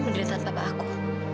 menderitaan papa aku